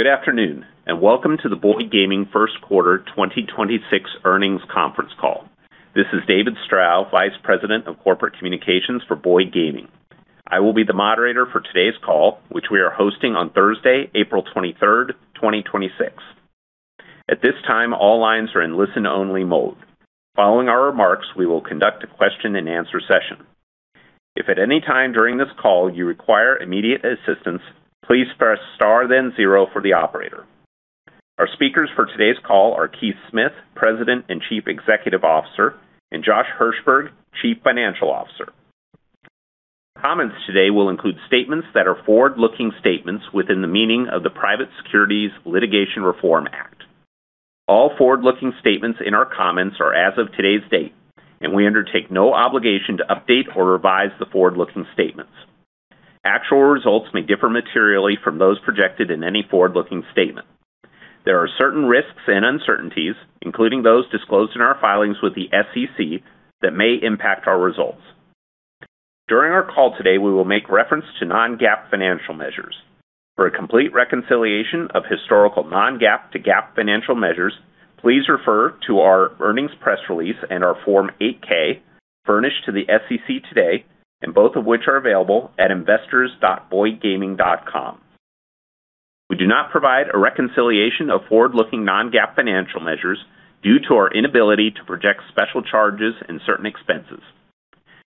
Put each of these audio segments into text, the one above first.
Good afternoon, and welcome to the Boyd Gaming first quarter 2026 earnings conference call. This is David Strow, Vice President of Corporate Communications for Boyd Gaming. I will be the moderator for today's call, which we are hosting on Thursday, April 23rd, 2026. At this time, all lines are in listen-only mode. Following our remarks, we will conduct a question and answer session. If at any time during this call you require immediate assistance, please press Star, then Zero for the operator. Our speakers for today's call are Keith Smith, President and Chief Executive Officer, and Josh Hirsberg, Chief Financial Officer. Comments today will include statements that are forward-looking statements within the meaning of the Private Securities Litigation Reform Act. All forward-looking statements in our comments are as of today's date, and we undertake no obligation to update or revise the forward-looking statements. Actual results may differ materially from those projected in any forward-looking statement. There are certain risks and uncertainties, including those disclosed in our filings with the SEC that may impact our results. During our call today, we will make reference to Non-GAAP financial measures. For a complete reconciliation of historical Non-GAAP to GAAP financial measures, please refer to our earnings press release and our Form 8-K furnished to the SEC today, and both of which are available at investors.boydgaming.com. We do not provide a reconciliation of forward-looking Non-GAAP financial measures due to our inability to project special charges and certain expenses.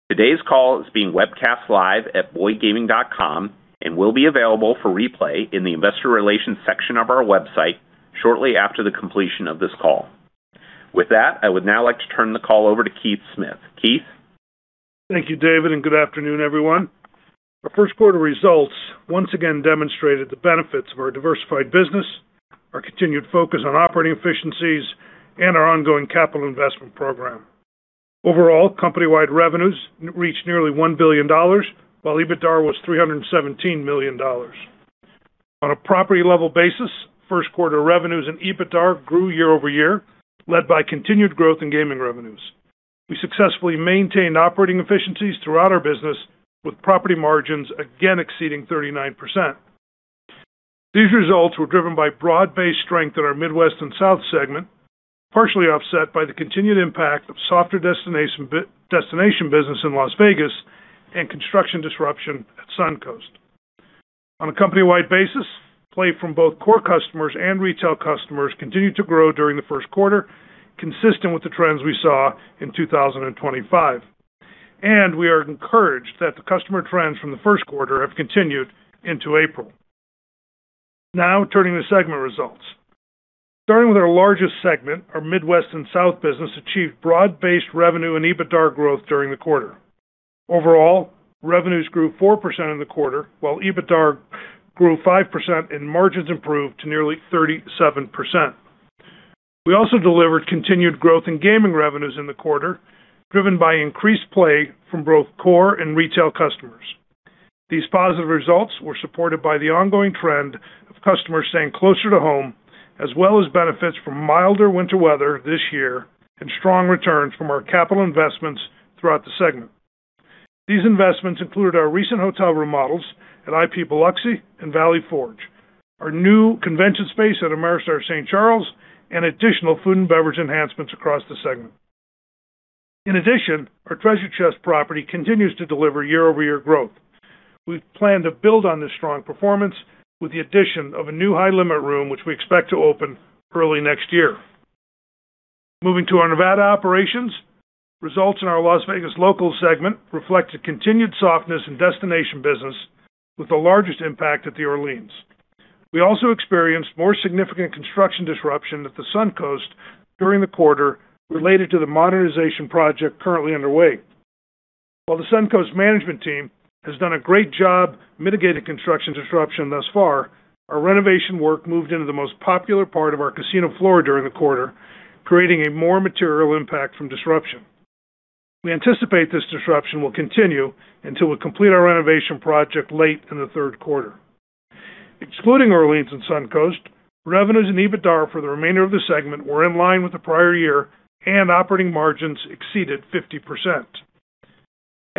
Today's call is being webcast live at boydgaming.com and will be available for replay in the investor relations section of our website shortly after the completion of this call. With that, I would now like to turn the call over to Keith Smith. Keith? Thank you, David, and good afternoon, everyone. Our first quarter results once again demonstrated the benefits of our diversified business, our continued focus on operating efficiencies, and our ongoing capital investment program. Overall, company-wide revenues reached nearly $1 billion, while EBITDA was $317 million. On a property level basis, first quarter revenues and EBITDA grew year-over-year, led by continued growth in gaming revenues. We successfully maintained operating efficiencies throughout our business with property margins again exceeding 39%. These results were driven by broad-based strength in our Midwest and South segment, partially offset by the continued impact of softer destination business in Las Vegas and construction disruption at Suncoast. On a company-wide basis, play from both core customers and retail customers continued to grow during the first quarter, consistent with the trends we saw in 2025. We are encouraged that the customer trends from the first quarter have continued into April. Now, turning to segment results. Starting with our largest segment, our Midwest & South business achieved broad-based revenue and EBITDA growth during the quarter. Overall, revenues grew 4% in the quarter, while EBITDA grew 5% and margins improved to nearly 37%. We also delivered continued growth in gaming revenues in the quarter, driven by increased play from both core and retail customers. These positive results were supported by the ongoing trend of customers staying closer to home, as well as benefits from milder winter weather this year and strong returns from our capital investments throughout the segment. These investments included our recent hotel remodels at IP Biloxi & Valley Forge, our new convention space at Ameristar St. Charles, and additional food and beverage enhancements across the segment. In addition, our Treasure Chest property continues to deliver year-over-year growth. We plan to build on this strong performance with the addition of a new high-limit room, which we expect to open early next year. Moving to our Nevada operations, results in our Las Vegas Locals segment reflect a continued softness in destination business with the largest impact at The Orleans. We also experienced more significant construction disruption at the Suncoast during the quarter related to the modernization project currently underway. While the Suncoast management team has done a great job mitigating construction disruption thus far, our renovation work moved into the most popular part of our casino floor during the quarter, creating a more material impact from disruption. We anticipate this disruption will continue until we complete our renovation project late in the third quarter. Excluding Orleans and Suncoast, revenues and EBITDA for the remainder of the segment were in line with the prior year and operating margins exceeded 50%.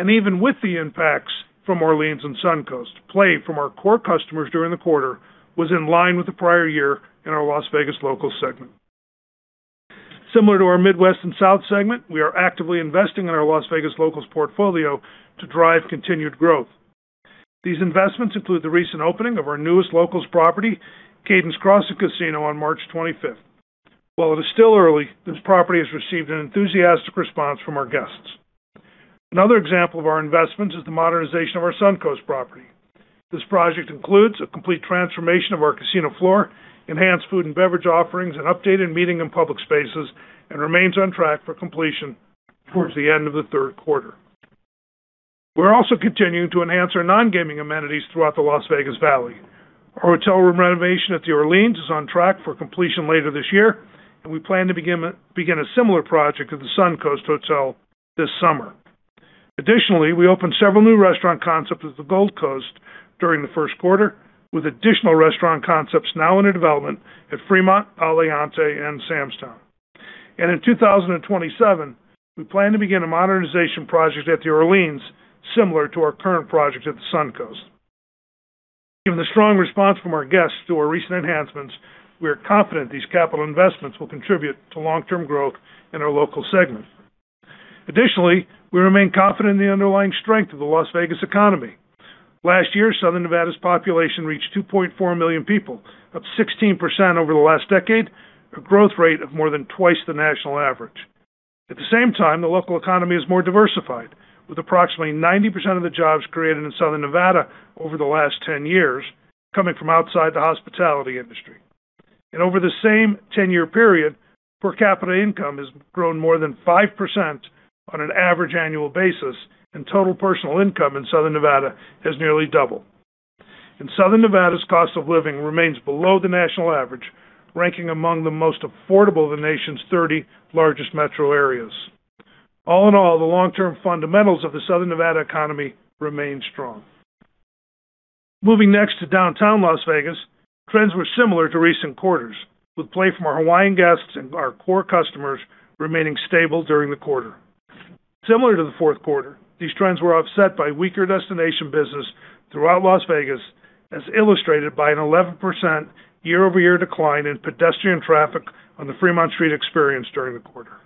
Even with the impacts from Orleans and Suncoast, play from our core customers during the quarter was in line with the prior year in our Las Vegas Locals segment. Similar to our Midwest & South segment, we are actively investing in our Las Vegas Locals portfolio to drive continued growth. These investments include the recent opening of our newest Locals property, Cadence Crossing Casino, on March 25th. While it is still early, this property has received an enthusiastic response from our guests. Another example of our investments is the modernization of our Suncoast property. This project includes a complete transformation of our casino floor, enhanced food and beverage offerings, and updated meeting and public spaces, and remains on track for completion towards the end of the third quarter. We're also continuing to enhance our non-gaming amenities throughout the Las Vegas Valley. Our hotel room renovation at The Orleans is on track for completion later this year, and we plan to begin a similar project at the Suncoast Hotel this summer. Additionally, we opened several new restaurant concepts at the Gold Coast during the first quarter, with additional restaurant concepts now under development at Fremont, Aliante, and Sam's Town. In 2027, we plan to begin a modernization project at The Orleans, similar to our current project at the Suncoast. Given the strong response from our guests to our recent enhancements, we are confident these capital investments will contribute to long-term growth in our local segment. Additionally, we remain confident in the underlying strength of the Las Vegas economy. Last year, Southern Nevada's population reached 2.4 million people, up 16% over the last decade, a growth rate of more than twice the national average. At the same time, the local economy is more diversified, with approximately 90% of the jobs created in Southern Nevada over the last 10 years coming from outside the hospitality industry. Over the same 10-year period, per capita income has grown more than 5% on an average annual basis, and total personal income in Southern Nevada has nearly doubled. Southern Nevada's cost of living remains below the national average, ranking among the most affordable of the nation's 30 largest metro areas. All in all, the long-term fundamentals of the Southern Nevada economy remain strong. Moving next to downtown Las Vegas, trends were similar to recent quarters, with play from our Hawaiian guests and our core customers remaining stable during the quarter. Similar to the fourth quarter, these trends were offset by weaker destination business throughout Las Vegas, as illustrated by an 11% year-over-year decline in pedestrian traffic on the Fremont Street Experience during the quarter.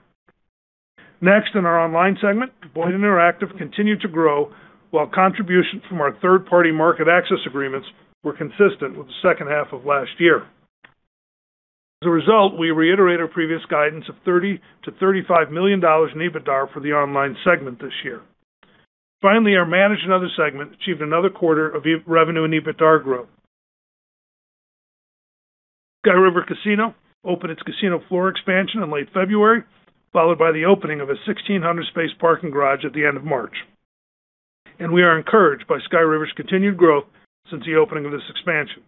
Next, in our online segment, Boyd Interactive continued to grow while contribution from our third-party market access agreements were consistent with the second half of last year. As a result, we reiterate our previous guidance of $30 million-$35 million in EBITDA for the online segment this year. Finally, our managed and other segment achieved another quarter of revenue and EBITDA growth. Sky River Casino opened its casino floor expansion in late February, followed by the opening of a 1,600-space parking garage at the end of March. We are encouraged by Sky River's continued growth since the opening of this expansion.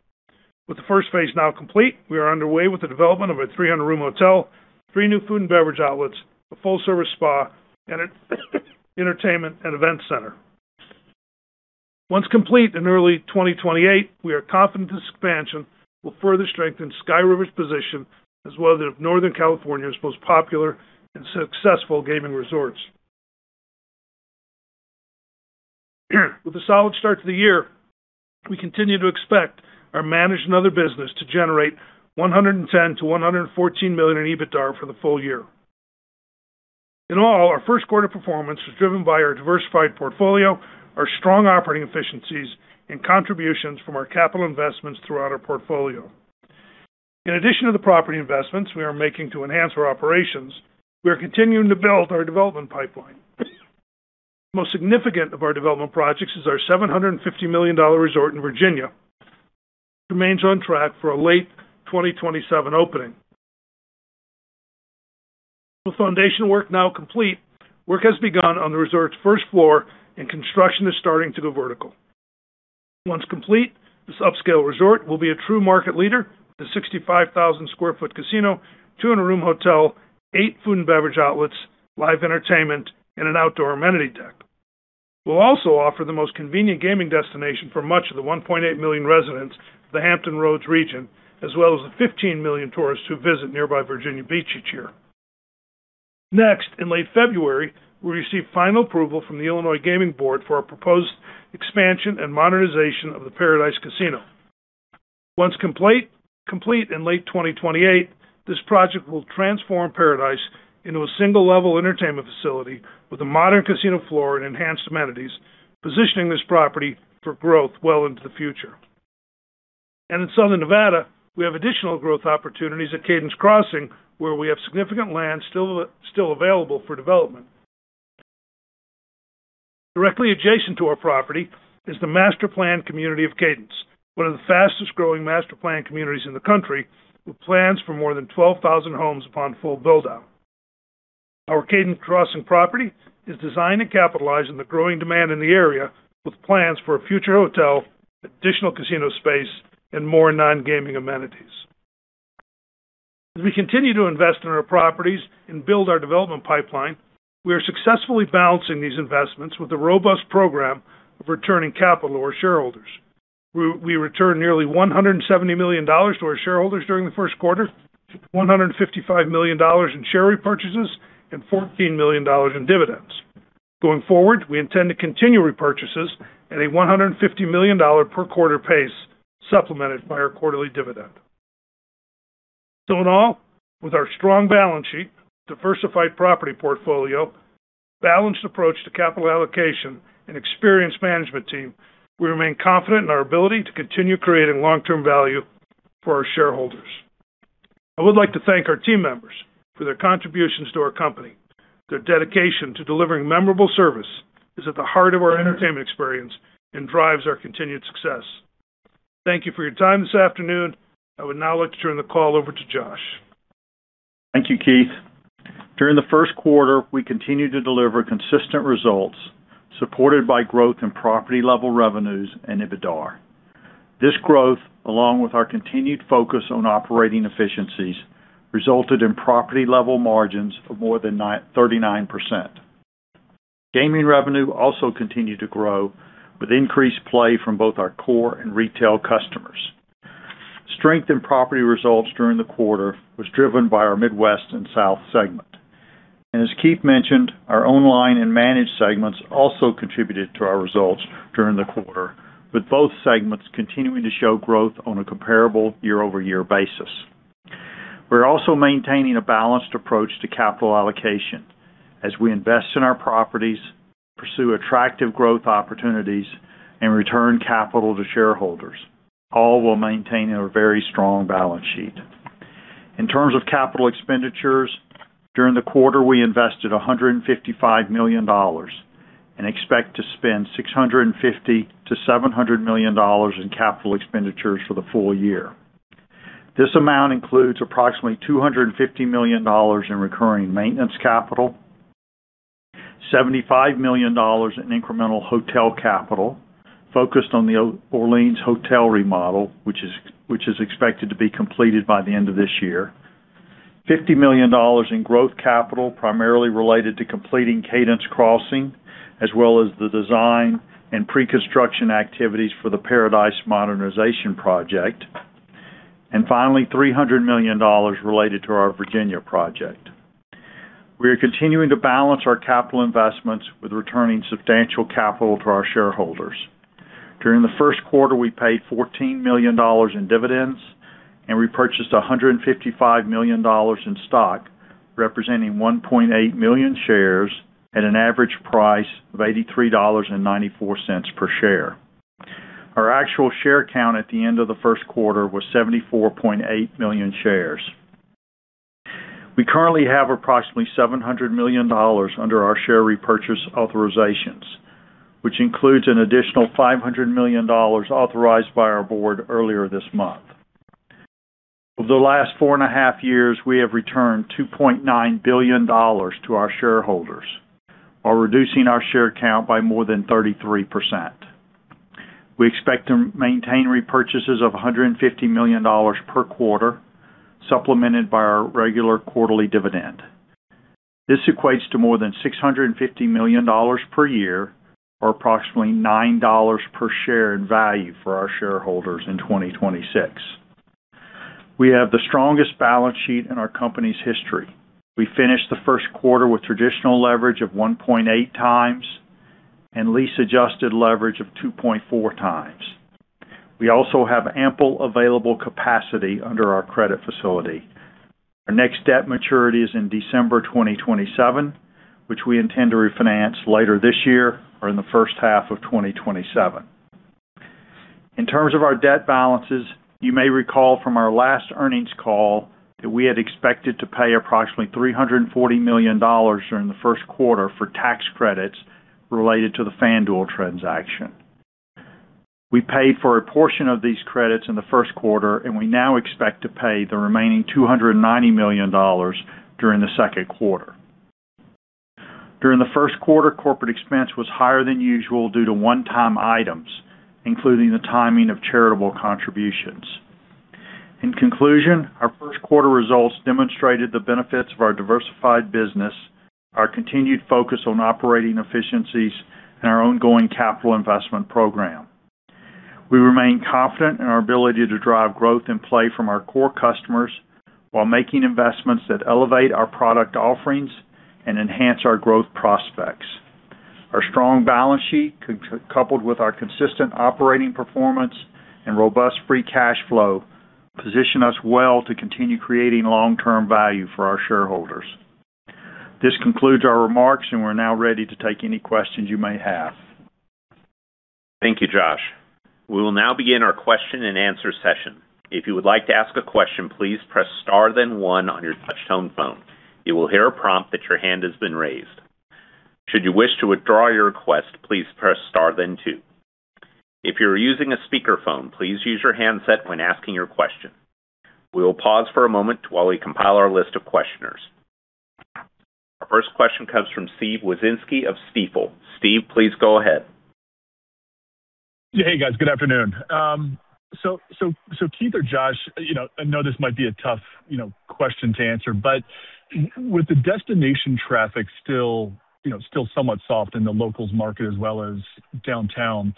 With the first phase now complete, we are underway with the development of a 300-room hotel, three new food and beverage outlets, a full-service spa, and an entertainment and event center. Once complete in early 2028, we are confident this expansion will further strengthen Sky River's position as one of Northern California's most popular and successful gaming resorts. With a solid start to the year, we continue to expect our managed and other business to generate $110 million-$114 million in EBITDA for the full year. In all, our first quarter performance was driven by our diversified portfolio, our strong operating efficiencies, and contributions from our capital investments throughout our portfolio. In addition to the property investments we are making to enhance our operations, we are continuing to build our development pipeline. The most significant of our development projects is our $750 million resort in Virginia. It remains on track for a late 2027 opening. With foundation work now complete, work has begun on the resort's first floor, and construction is starting to go vertical. Once complete, this upscale resort will be a true market leader with a 65,000 sq ft casino, 200-room hotel, eight food and beverage outlets, live entertainment, and an outdoor amenity deck. We'll also offer the most convenient gaming destination for much of the 1.8 million residents of the Hampton Roads region, as well as the 15 million tourists who visit nearby Virginia Beach each year. Next, in late February, we'll receive final approval from the Illinois Gaming Board for our proposed expansion and modernization of the Par-A-Dice Hotel Casino. Once complete in late 2028, this project will transform Par-A-Dice into a single-level entertainment facility with a modern casino floor and enhanced amenities, positioning this property for growth well into the future. In Southern Nevada, we have additional growth opportunities at Cadence Crossing, where we have significant land still available for development. Directly adjacent to our property is the master planned community of Cadence, one of the fastest-growing master planned communities in the country, with plans for more than 12,000 homes upon full build-out. Our Cadence Crossing property is designed to capitalize on the growing demand in the area, with plans for a future hotel, additional casino space, and more non-gaming amenities. As we continue to invest in our properties and build our development pipeline, we are successfully balancing these investments with a robust program of returning capital to our shareholders. We returned nearly $170 million to our shareholders during the first quarter, $155 million in share repurchases, and $14 million in dividends. Going forward, we intend to continue repurchases at a $150 million per quarter pace, supplemented by our quarterly dividend. In all, with our strong balance sheet, diversified property portfolio, balanced approach to capital allocation, and experienced management team, we remain confident in our ability to continue creating long-term value for our shareholders. I would like to thank our team members for their contributions to our company. Their dedication to delivering memorable service is at the heart of our entertainment experience and drives our continued success. Thank you for your time this afternoon. I would now like to turn the call over to Josh. Thank you, Keith. During the first quarter, we continued to deliver consistent results supported by growth in property-level revenues and EBITDA. This growth, along with our continued focus on operating efficiencies, resulted in property-level margins of more than 39%. Gaming revenue also continued to grow with increased play from both our core and retail customers. Strength in property results during the quarter was driven by our Midwest & South segment. As Keith mentioned, our online and managed segments also contributed to our results during the quarter, with both segments continuing to show growth on a comparable year-over-year basis. We're also maintaining a balanced approach to capital allocation as we invest in our properties, pursue attractive growth opportunities, and return capital to shareholders, all while maintaining a very strong balance sheet. In terms of capital expenditures, during the quarter, we invested $155 million and expect to spend $650 million-$700 million in capital expenditures for the full year. This amount includes approximately $250 million in recurring maintenance capital, $75 million in incremental hotel capital focused on The Orleans hotel remodel, which is expected to be completed by the end of this year, $50 million in growth capital, primarily related to completing Cadence Crossing, as well as the design and pre-construction activities for the Par-A-Dice Modernization project, and finally, $300 million related to our Virginia project. We are continuing to balance our capital investments with returning substantial capital to our shareholders. During the first quarter, we paid $14 million in dividends and repurchased $155 million in stock, representing 1.8 million shares at an average price of $83.94 per share. Our actual share count at the end of the first quarter was 74.8 million shares. We currently have approximately $700 million under our share repurchase authorizations, which includes an additional $500 million authorized by our board earlier this month. Over the last 4.5 Years, we have returned $2.9 billion to our shareholders while reducing our share count by more than 33%. We expect to maintain repurchases of $150 million per quarter, supplemented by our regular quarterly dividend. This equates to more than $650 million per year or approximately $9 per share in value for our shareholders in 2026. We have the strongest balance sheet in our company's history. We finished the first quarter with traditional leverage of 1.8x and lease-adjusted leverage of 2.4x. We also have ample available capacity under our credit facility. Our next debt maturity is in December 2027, which we intend to refinance later this year or in the first half of 2027. In terms of our debt balances, you may recall from our last earnings call that we had expected to pay approximately $340 million during the first quarter for tax credits related to the FanDuel transaction. We paid for a portion of these credits in the first quarter, and we now expect to pay the remaining $290 million during the second quarter. During the first quarter, corporate expense was higher than usual due to one-time items, including the timing of charitable contributions. In conclusion, our first quarter results demonstrated the benefits of our diversified business, our continued focus on operating efficiencies, and our ongoing capital investment program. We remain confident in our ability to drive growth and play from our core customers while making investments that elevate our product offerings and enhance our growth prospects. Our strong balance sheet, coupled with our consistent operating performance and robust free cash flow, position us well to continue creating long-term value for our shareholders. This concludes our remarks, and we're now ready to take any questions you may have. Thank you, Josh. We will now begin our question and answer session. Our first question comes from Steven Wieczynski of Stifel. Steve, please go ahead. Hey, guys. Good afternoon. Keith or Josh, I know this might be a tough question to answer, but with the destination traffic still somewhat soft in the locals market as well as downtown,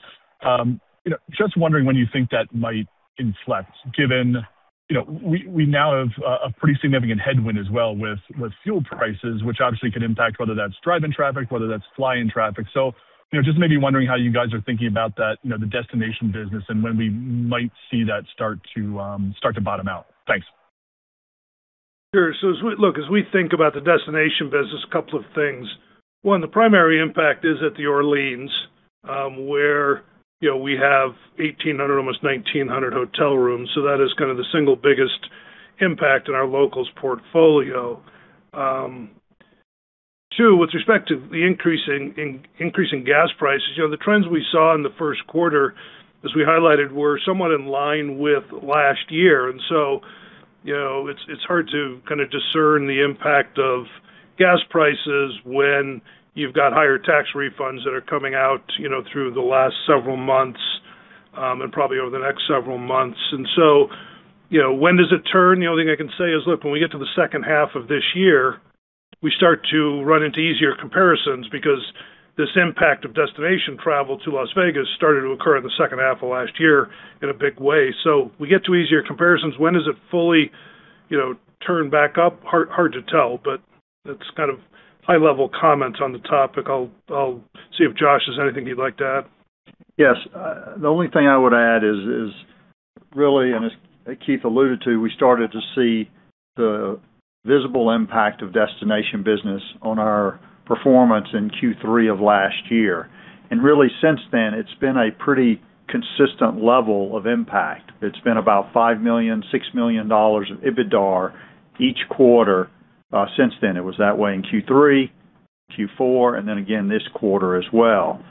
just wondering when you think that might inflect, given we now have a pretty significant headwind as well with fuel prices, which obviously could impact whether that's drive-in traffic, whether that's fly-in traffic. Just maybe wondering how you guys are thinking about that, the destination business, and when we might see that start to bottom out. Thanks. Sure. Look, as we think about the destination business, a couple of things. One, the primary impact is at The Orleans, where we have 1,800 hotel rooms, almost 1,900 hotel rooms. That is kind of the single biggest impact in our locals portfolio. Two, with respect to the increase in gas prices, the trends we saw in the first quarter, as we highlighted, were somewhat in line with last year. It's hard to kind of discern the impact of gas prices when you've got higher tax refunds that are coming out through the last several months. Probably over the next several months. When does it turn? The only thing I can say is look, when we get to the second half of this year, we start to run into easier comparisons because this impact of destination travel to Las Vegas started to occur in the second half of last year in a big way. We get to easier comparisons. When does it fully turn back up? Hard to tell, but that's kind of high level comments on the topic. I'll see if Josh has anything he'd like to add. Yes. The only thing I would add is really, and as Keith alluded to, we started to see the visible impact of destination business on our performance in Q3 of last year. Really since then, it's been a pretty consistent level of impact. It's been about $5 million, $6 million of EBITDAR each quarter since then. It was that way in Q3, Q4, and then again this quarter as well.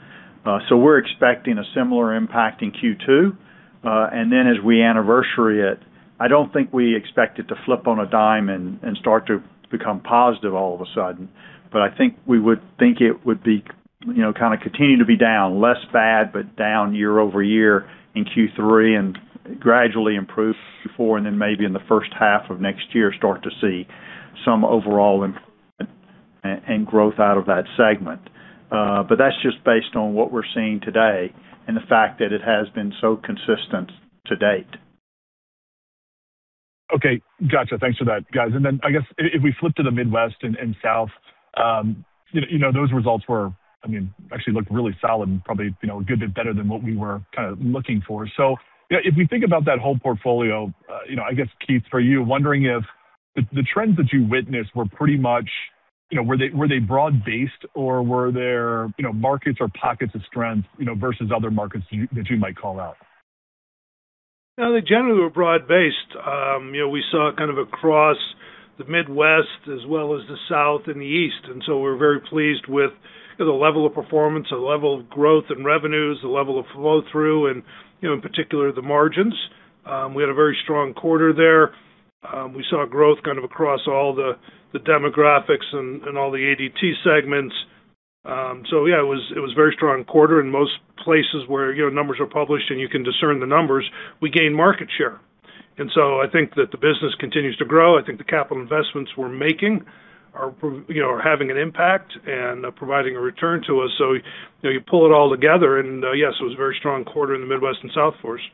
We're expecting a similar impact in Q2. Then as we anniversary it, I don't think we expect it to flip on a dime and start to become positive all of a sudden. I think we would think it would be kind of continuing to be down, less bad, but down year-over-year in Q3 and gradually improve Q4, and then maybe in the first half of next year, start to see some overall improvement and growth out of that segment. That's just based on what we're seeing today and the fact that it has been so consistent to date. Okay, got you. Thanks for that, guys. I guess if we flip to the Midwest & South, those results actually looked really solid and probably a good bit better than what we were kind of looking for. If we think about that whole portfolio, I guess, Keith, for you, wondering if the trends that you witnessed were they broad-based or were there markets or pockets of strength versus other markets that you might call out? They generally were broad-based. We saw it kind of across the Midwest as well as the South and the East. We're very pleased with the level of performance, the level of growth and revenues, the level of flow-through, and in particular, the margins. We had a very strong quarter there. We saw growth kind of across all the demographics and all the ADT segments. Yeah, it was a very strong quarter in most places where numbers are published and you can discern the numbers. We gained market share. I think that the business continues to grow. I think the capital investments we're making are having an impact and providing a return to us. You pull it all together and yes, it was a very strong quarter in the Midwest and South for us.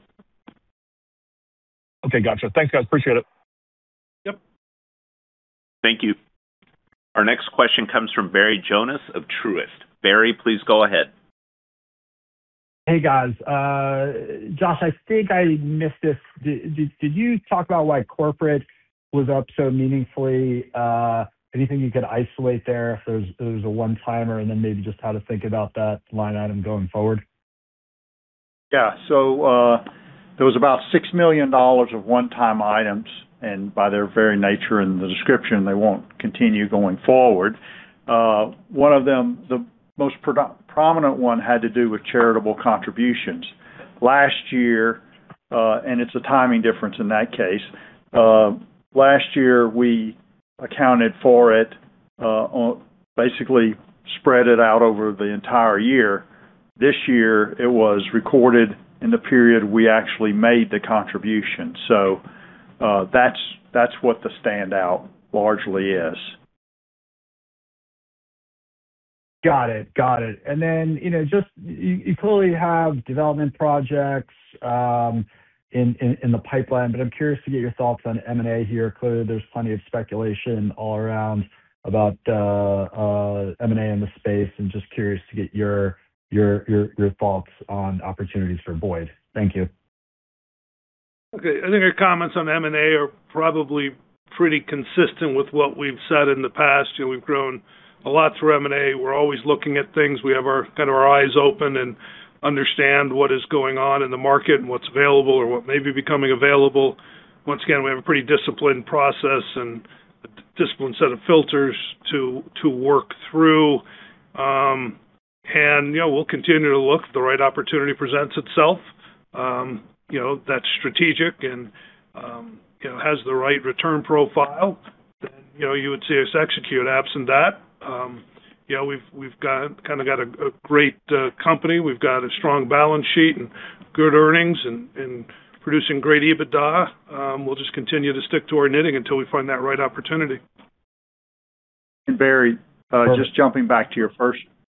Okay, got you. Thanks, guys, appreciate it. Yep. Thank you. Our next question comes from Barry Jonas of Truist Securities. Barry, please go ahead. Hey, guys. Josh, I think I missed this. Did you talk about why corporate was up so meaningfully? Anything you could isolate there if it was a one-timer, and then maybe just how to think about that line item going forward? There was about $6 million of one-time items, and by their very nature and the description, they won't continue going forward. One of them, the most prominent one, had to do with charitable contributions. Last year, it's a timing difference in that case. Last year, we accounted for it, basically spread it out over the entire year. This year, it was recorded in the period we actually made the contribution. That's what the standout largely is. Got it. You clearly have development projects in the pipeline, but I'm curious to get your thoughts on M&A here. Clearly, there's plenty of speculation all around about M&A in the space, and just curious to get your thoughts on opportunities for Boyd. Thank you. Okay. I think our comments on M&A are probably pretty consistent with what we've said in the past. We've grown a lot through M&A. We're always looking at things. We have our eyes open and understand what is going on in the market and what's available or what may be becoming available. Once again, we have a pretty disciplined process and a disciplined set of filters to work through. We'll continue to look if the right opportunity presents itself, that's strategic and has the right return profile, then you would see us execute. Absent that, we've kind of got a great company. We've got a strong balance sheet and good earnings and producing great EBITDA. We'll just continue to stick to our knitting until we find that right opportunity. Barry, just jumping back to your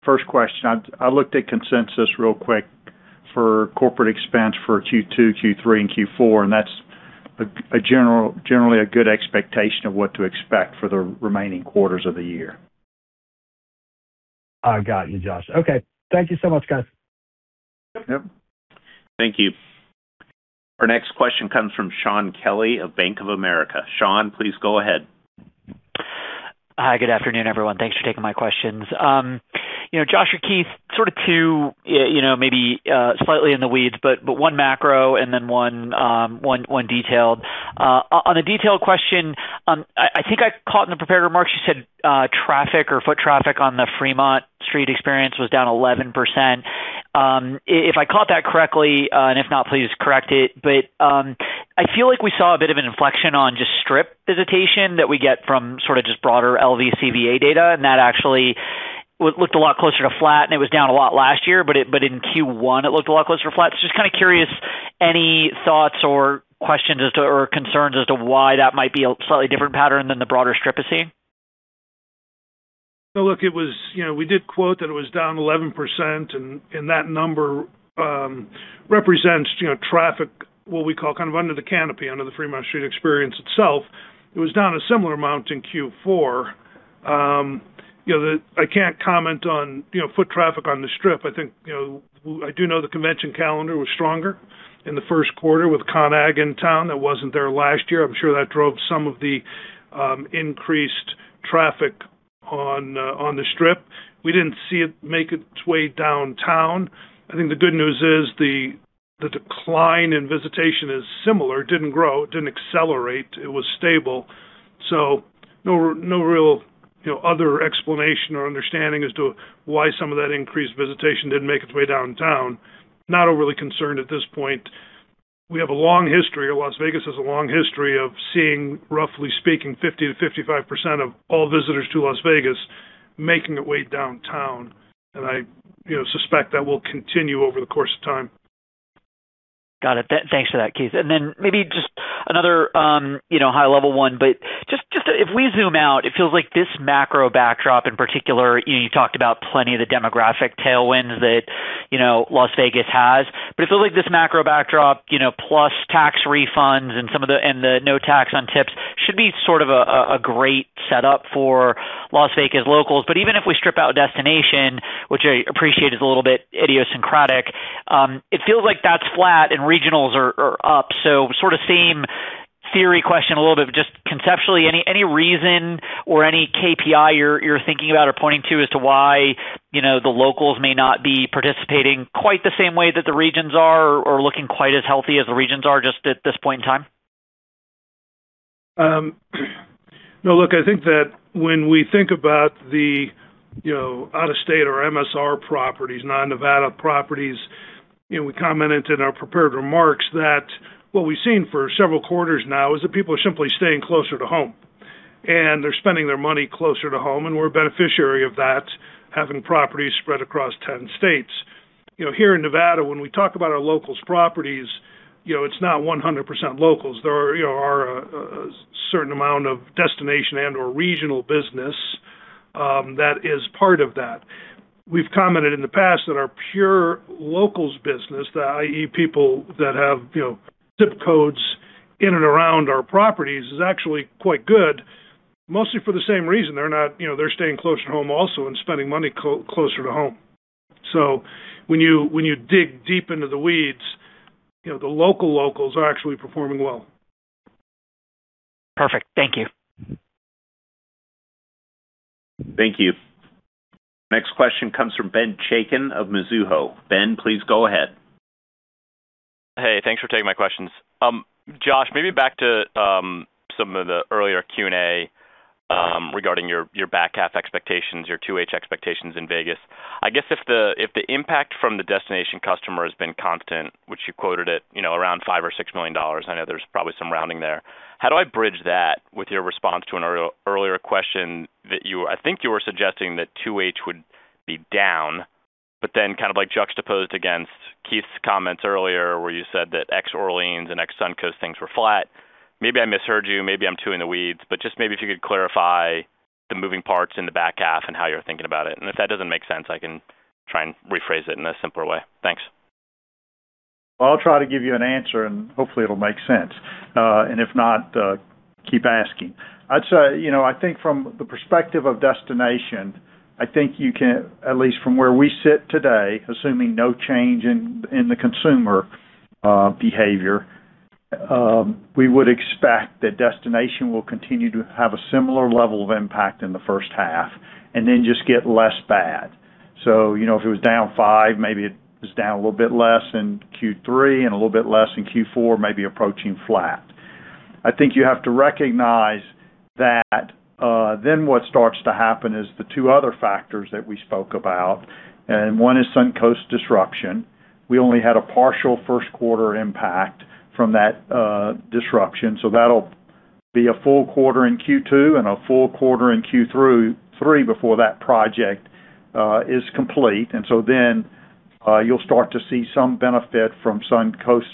first question. I looked at consensus real quick for corporate expense for Q2, Q3, and Q4, and that's generally a good expectation of what to expect for the remaining quarters of the year. I got you, Josh. Okay. Thank you so much, guys. Yep. Thank you. Our next question comes from Shaun Kelley of Bank of America. Shaun, please go ahead. Hi, good afternoon, everyone. Thanks for taking my questions. Josh or Keith, sort of two maybe slightly in the weeds, but one macro and then one detailed. On a detailed question, I think I caught in the prepared remarks, you said traffic or foot traffic on the Fremont Street Experience was down 11%. If I caught that correctly, and if not, please correct it, but I feel like we saw a bit of an inflection on just Strip visitation that we get from sort of just broader LVCVA data, and that actually it looked a lot closer to flat, and it was down a lot last year, but in Q1 it looked a lot closer to flat. Just kind of curious, any thoughts or questions or concerns as to why that might be a slightly different pattern than the broader Strip are seeing? Look, we did quote that it was down 11%, and that number represents traffic, what we call under the canopy, under the Fremont Street Experience itself. It was down a similar amount in Q4. I can't comment on foot traffic on the Strip. I do know the convention calendar was stronger in the first quarter with CONEXPO-CON/AGG in town that wasn't there last year. I'm sure that drove some of the increased traffic on the Strip. We didn't see it make its way downtown. I think the good news is the decline in visitation is similar. It didn't grow, it didn't accelerate, it was stable. No real other explanation or understanding as to why some of that increased visitation didn't make its way downtown. Not overly concerned at this point. We have a long history, or Las Vegas has a long history of seeing, roughly speaking, 50%-55% of all visitors to Las Vegas making their way downtown, and I suspect that will continue over the course of time. Got it. Thanks for that, Keith. Then maybe just another high level one, if we zoom out, it feels like this macro backdrop in particular, you talked about plenty of the demographic tailwinds that Las Vegas has. It feels like this macro backdrop plus tax refunds and the no tax on tips should be sort of a great setup for Las Vegas locals. Even if we strip out destination, which I appreciate is a little bit idiosyncratic, it feels like that's flat and regionals are up. Sort of same theory question a little bit, but just conceptually, any reason or any KPI you're thinking about or pointing to as to why the locals may not be participating quite the same way that the regions are or looking quite as healthy as the regions are just at this point in time? No, look, I think that when we think about the out-of-state or MSR properties, non-Nevada properties, we commented in our prepared remarks that what we've seen for several quarters now is that people are simply staying closer to home, and they're spending their money closer to home, and we're a beneficiary of that, having properties spread across 10 states. Here in Nevada, when we talk about our locals properties, it's not 100% locals. There are a certain amount of destination and/or regional business that is part of that. We've commented in the past that our pure locals business, i.e., people that have zip codes in and around our properties, is actually quite good, mostly for the same reason. They're staying closer to home also and spending money closer to home. When you dig deep into the weeds, the local locals are actually performing well. Perfect. Thank you. Thank you. Next question comes from Benjamin Chaiken of Mizuho. Benjamin, please go ahead. Hey, thanks for taking my questions. Josh, maybe back to some of the earlier Q&A regarding your back half expectations, your 2H expectations in Vegas. I guess if the impact from the destination customer has been constant, which you quoted at around $5 million or $6 million, I know there's probably some rounding there. How do I bridge that with your response to an earlier question that I think you were suggesting that 2H would be down, but then kind of like juxtaposed against Keith's comments earlier where you said that ex-Orleans and ex-Suncoast things were flat. Maybe I misheard you, maybe I'm too in the weeds, but just maybe if you could clarify the moving parts in the back half and how you're thinking about it. If that doesn't make sense, I can try and rephrase it in a simpler way. Thanks. Well, I'll try to give you an answer and hopefully it'll make sense. If not, keep asking. I'd say, I think from the perspective of destination, I think you can, at least from where we sit today, assuming no change in the consumer behavior, we would expect that destination will continue to have a similar level of impact in the first half and then just get less bad. If it was down 5%, maybe it was down a little bit less in Q3 and a little bit less in Q4, maybe approaching flat. I think you have to recognize that then what starts to happen is the two other factors that we spoke about, and one is Suncoast disruption. We only had a partial first quarter impact from that disruption. That'll be a full quarter in Q2 and a full quarter in Q3 before that project is complete. You'll start to see some benefit from Suncoast's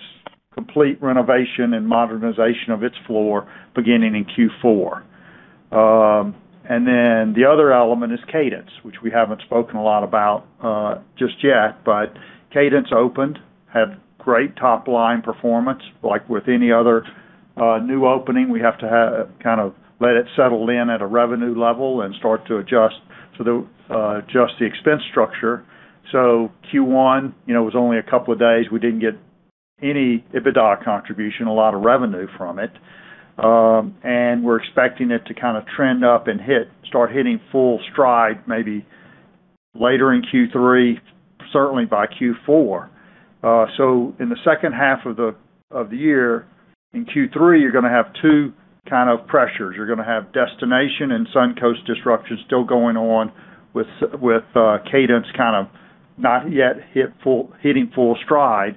complete renovation and modernization of its floor beginning in Q4. The other element is Cadence, which we haven't spoken a lot about just yet, but Cadence opened, had great top-line performance. Like with any other new opening, we have to kind of let it settle in at a revenue level and start to adjust the expense structure. Q1, it was only a couple of days. We didn't get any EBITDA contribution, a lot of revenue from it. We're expecting it to kind of trend up and start hitting full stride maybe later in Q3, certainly by Q4. In the second half of the year, in Q3, you're going to have two kind of pressures. You're going to have destination and Suncoast disruption still going on with Cadence kind of not yet hitting full stride.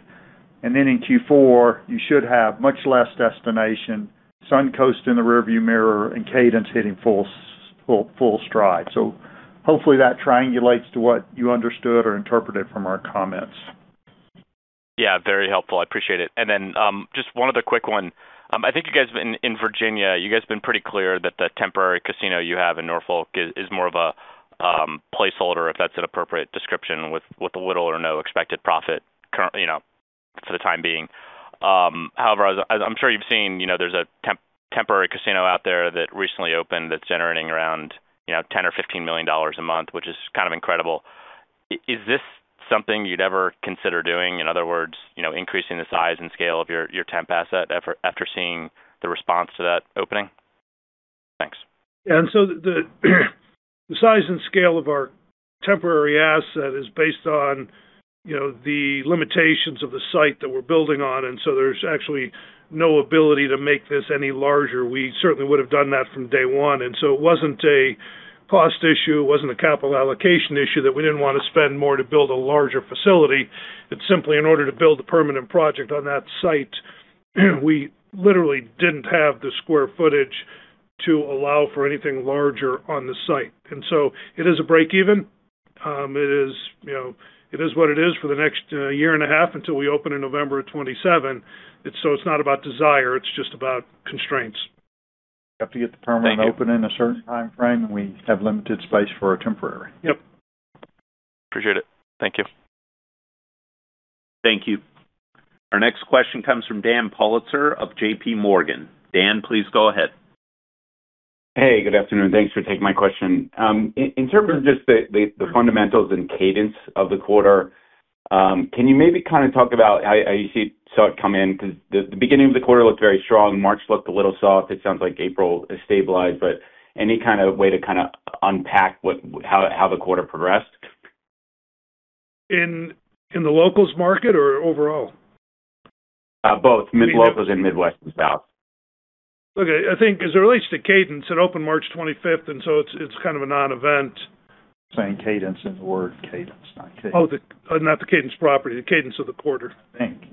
Then in Q4, you should have much less destination, Suncoast in the rearview mirror, and Cadence hitting full stride. Hopefully that triangulates to what you understood or interpreted from our comments. Yeah, very helpful. I appreciate it. Just one other quick one. I think you guys in Virginia, you guys have been pretty clear that the temporary casino you have in Norfolk is more of a placeholder, if that's an appropriate description, with little or no expected profit for the time being. However, as I'm sure you've seen, there's a temporary casino out there that recently opened that's generating around $10 million or $15 million a month, which is kind of incredible. Is this something you'd ever consider doing? In other words, increasing the size and scale of your temp asset after seeing the response to that opening? Thanks. The size and scale of our temporary asset is based on the limitations of the site that we're building on, and so there's actually no ability to make this any larger. We certainly would have done that from day one. It wasn't a cost issue, it wasn't a capital allocation issue that we didn't want to spend more to build a larger facility. It's simply in order to build a permanent project on that site, we literally didn't have the square footage to allow for anything larger on the site. It is a break-even. It is what it is for the next year and a half until we open in November of 2027. It's not about desire, it's just about constraints. Have to get the permanent open in a certain time frame, and we have limited space for our temporary. Yep. Appreciate it. Thank you. Thank you. Our next question comes from Daniel Politzer of JPMorgan. Dan, please go ahead. Hey, good afternoon. Thanks for taking my question. In terms of just the fundamentals and cadence of the quarter, can you maybe kind of talk about how you saw it come in? Because the beginning of the quarter looked very strong. March looked a little soft. It sounds like April has stabilized, but any kind of way to kind of unpack how the quarter progressed? In the locals market or overall? Both. Midwest locals and Midwest and South. Okay. I think as it relates to Cadence, it opened March 25th, and so it's kind of a non-event. Saying cadence as the word cadence, not Cadence. Oh, not the Cadence property, the cadence of the quarter. Thank you.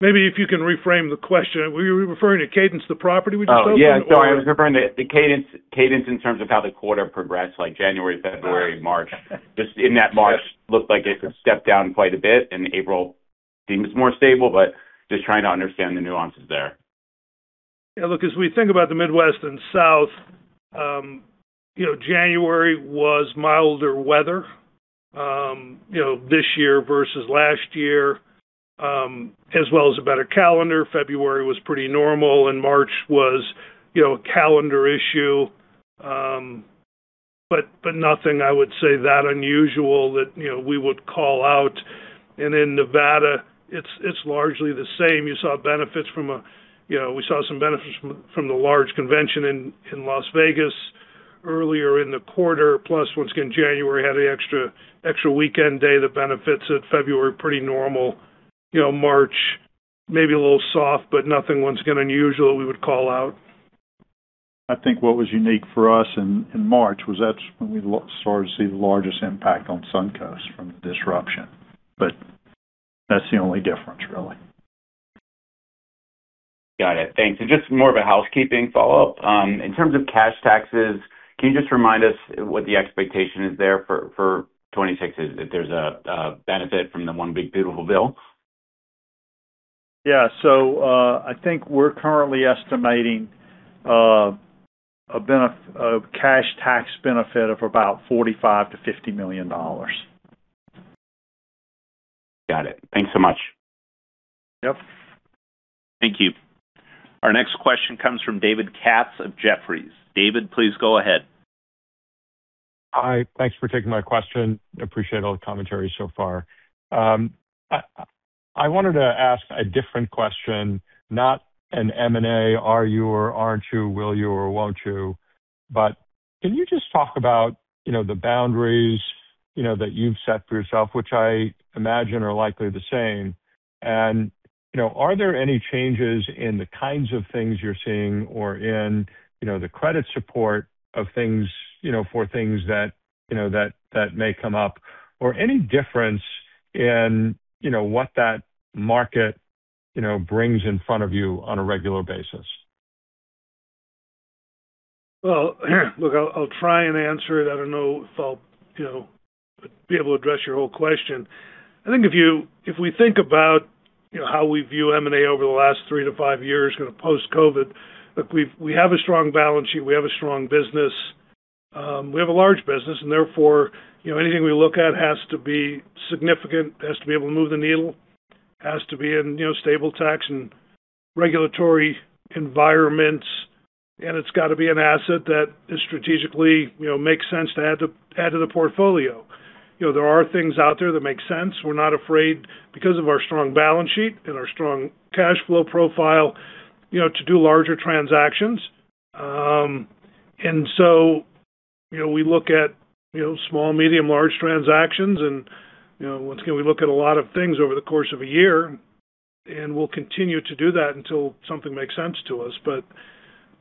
Maybe if you can reframe the question. Were you referring to Cadence, the property when you said that? Oh, yeah, sorry. I was referring to the cadence in terms of how the quarter progressed, like January, February, March. Just in that March looked like it stepped down quite a bit and April seems more stable, but just trying to understand the nuances there. Yeah, look, as we think about the Midwest and South, January was milder weather, this year versus last year, as well as a better calendar. February was pretty normal, and March was a calendar issue. Nothing I would say that unusual that we would call out. In Nevada, it's largely the same. We saw some benefits from the large convention in Las Vegas earlier in the quarter. Plus, once again, January had an extra weekend day that benefits it. February, pretty normal. March, maybe a little soft, but nothing, once again, unusual that we would call out. I think what was unique for us in March was that's when we started to see the largest impact on Suncoast from the disruption. That's the only difference, really. Got it. Thanks. Just more of a housekeeping follow-up. In terms of cash taxes, can you just remind us what the expectation is there for 2026? If there's a benefit from the one big beautiful bill? Yeah. I think we're currently estimating a cash tax benefit of about $45 million-$50 million. Got it. Thanks so much. Yep. Thank you. Our next question comes from David Katz of Jefferies. David, please go ahead. Hi. Thanks for taking my question. I appreciate all the commentary so far. I wanted to ask a different question, not an M&A, are you or aren't you? Will you or won't you? But can you just talk about the boundaries that you've set for yourself, which I imagine are likely the same and are there any changes in the kinds of things you're seeing or in the credit support for things that may come up or any difference in what that market brings in front of you on a regular basis? Well, look, I'll try and answer it. I don't know if I'll be able to address your whole question. I think if we think about how we view M&A over the last three years to five years, kind of post-COVID, look, we have a strong balance sheet. We have a strong business. We have a large business, and therefore, anything we look at has to be significant, has to be able to move the needle, has to be in stable tax and regulatory environments, and it's got to be an asset that strategically makes sense to add to the portfolio. There are things out there that make sense. We're not afraid because of our strong balance sheet and our strong cash flow profile to do larger transactions. We look at small, medium, large transactions. Once again, we look at a lot of things over the course of a year. We'll continue to do that until something makes sense to us.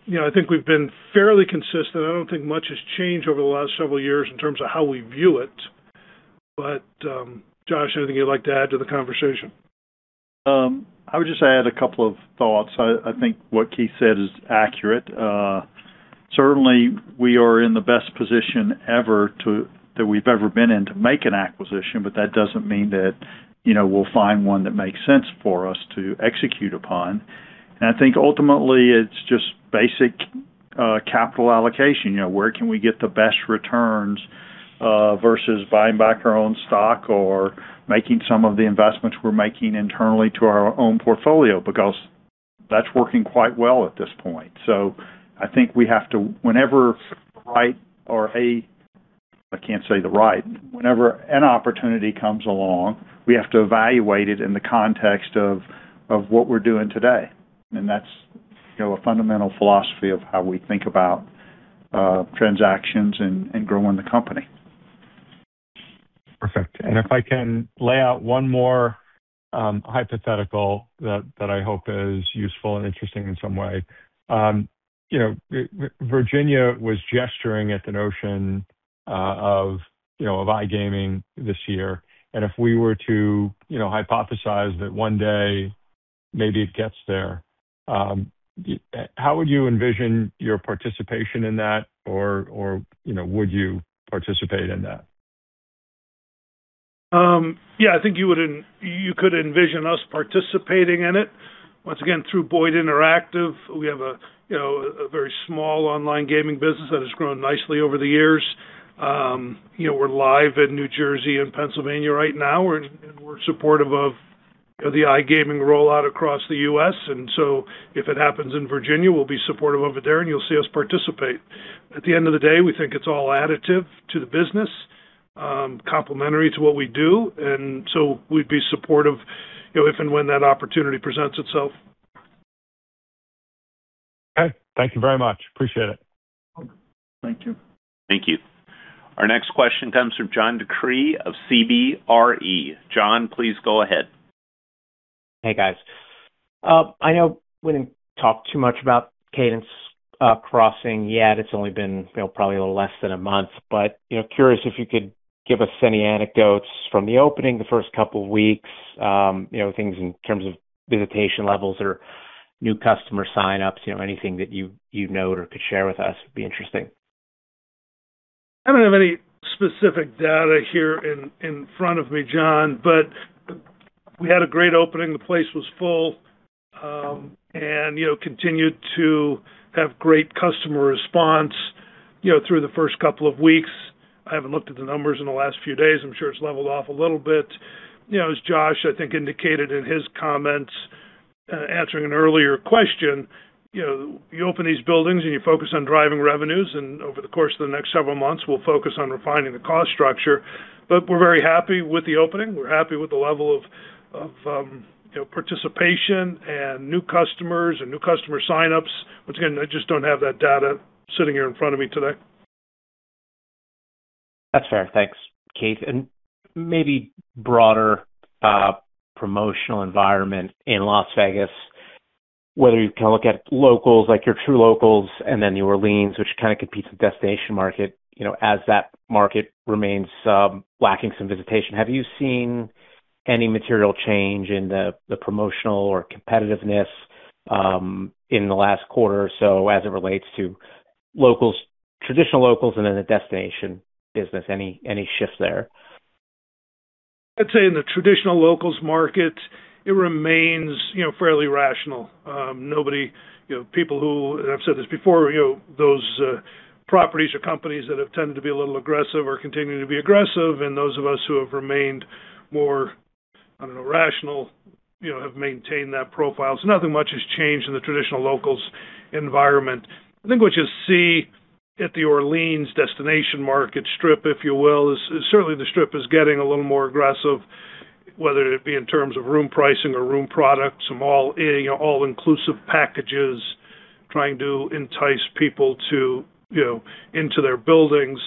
I think we've been fairly consistent. I don't think much has changed over the last several years in terms of how we view it. Josh, anything you'd like to add to the conversation? I would just add a couple of thoughts. I think what Keith said is accurate. Certainly, we are in the best position ever that we've ever been in to make an acquisition, but that doesn't mean that we'll find one that makes sense for us to execute upon. I think ultimately it's just basic capital allocation. Where can we get the best returns, versus buying back our own stock or making some of the investments we're making internally to our own portfolio, because that's working quite well at this point. I think we have to, whenever an opportunity comes along, we have to evaluate it in the context of what we're doing today. That's a fundamental philosophy of how we think about transactions and growing the company. Perfect. If I can lay out one more hypothetical that I hope is useful and interesting in some way. Virginia was gesturing at the notion of iGaming this year, and if we were to hypothesize that one day maybe it gets there, how would you envision your participation in that? Would you participate in that? Yeah, I think you could envision us participating in it. Once again, through Boyd Interactive, we have a very small online gaming business that has grown nicely over the years. We're live in New Jersey and Pennsylvania right now. We're supportive of the iGaming rollout across the U.S., and so if it happens in Virginia, we'll be supportive over there, and you'll see us participate. At the end of the day, we think it's all additive to the business, complementary to what we do, and so we'd be supportive if and when that opportunity presents itself. Okay. Thank you very much. Appreciate it. Welcome. Thank you. Thank you. Our next question comes from John DeCree of CBRE. John, please go ahead. Hey, guys. I know we didn't talk too much about Cadence Crossing yet. It's only been probably a little less than a month, but curious if you could give us any anecdotes from the opening, the first couple of weeks, things in terms of visitation levels or new customer sign-ups, anything that you know or could share with us would be interesting. I don't have any specific data here in front of me, John, but we had a great opening. The place was full, and continued to have great customer response through the first couple of weeks. I haven't looked at the numbers in the last few days. I'm sure it's leveled off a little bit. As Josh, I think, indicated in his comments, answering an earlier question, you open these buildings and you focus on driving revenues, and over the course of the next several months, we'll focus on refining the cost structure. We're very happy with the opening. We're happy with the level of participation and new customers and new customer sign-ups. Once again, I just don't have that data sitting here in front of me today. That's fair. Thanks, Keith. Maybe broader promotional environment in Las Vegas, whether you look at locals like your true locals, and then The Orleans, which kind of competes with destination market, as that market remains lacking some visitation. Have you seen any material change in the promotional or competitiveness in the last quarter or so as it relates to locals, traditional locals, and then the destination business? Any shifts there? I'd say in the traditional locals market, it remains fairly rational. I've said this before, those properties or companies that have tended to be a little aggressive are continuing to be aggressive, and those of us who have remained more, I don't know, rational, have maintained that profile. Nothing much has changed in the traditional locals environment. I think what you'll see at The Orleans destination market Strip, if you will, is certainly the Strip is getting a little more aggressive, whether it be in terms of room pricing or room products, all inclusive packages, trying to entice people into their buildings.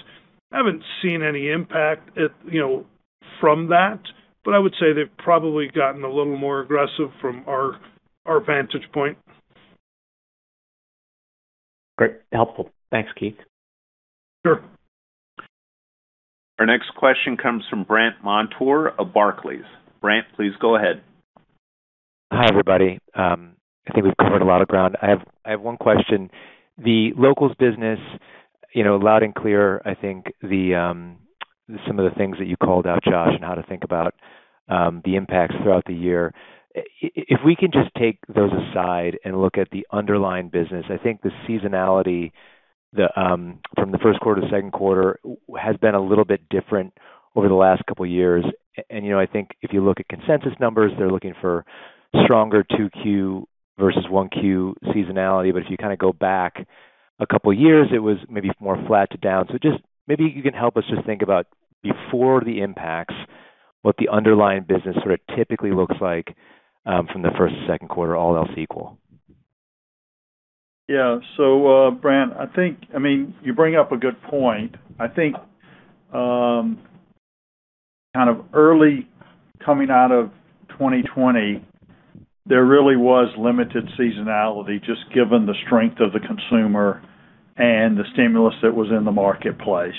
I haven't seen any impact from that, but I would say they've probably gotten a little more aggressive from our vantage point. Great, helpful. Thanks, Keith. Sure. Our next question comes from Brandt Montour of Barclays. Brandt, please go ahead. Hi, everybody. I think we've covered a lot of ground. I have one question. The locals business, loud and clear. I think some of the things that you called out, Josh, on how to think about the impacts throughout the year. If we can just take those aside and look at the underlying business, I think the seasonality from the first quarter to second quarter has been a little bit different over the last couple of years, and I think if you look at consensus numbers, they're looking for stronger 2Q versus 1Q seasonality. But if you go back a couple of years, it was maybe more flat to down. Just maybe you can help us just think about before the impacts, what the underlying business sort of typically looks like from the first quarter to second quarter, all else equal. Yeah. Brandt, you bring up a good point. I think kind of early coming out of 2020, there really was limited seasonality, just given the strength of the consumer and the stimulus that was in the marketplace.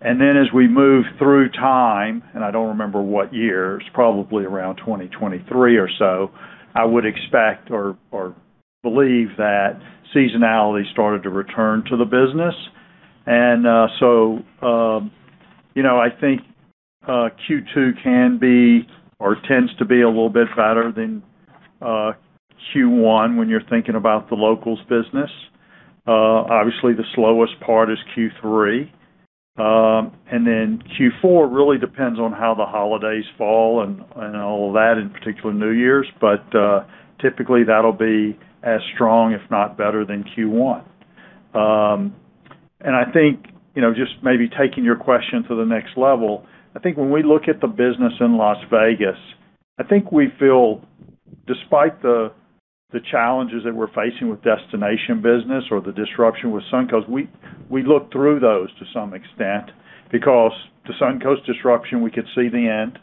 as we moved through time, and I don't remember what year, it's probably around 2023 or so, I would expect or believe that seasonality started to return to the business. I think Q2 can be or tends to be a little bit better than Q1 when you're thinking about the locals business. Obviously, the slowest part is Q3. Q4 really depends on how the holidays fall and all of that, in particular New Year's. typically, that'll be as strong, if not better than Q1. I think, just maybe taking your question to the next level, I think when we look at the business in Las Vegas, I think we feel despite the challenges that we're facing with destination business or the disruption with Suncoast, we look through those to some extent, because the Suncoast disruption, we could see the end.